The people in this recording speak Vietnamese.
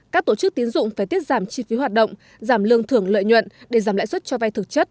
các tổ chức tiến dụng phải tiết giảm chi phí hoạt động giảm lương thưởng lợi nhuận để giảm lãi suất cho vay thực chất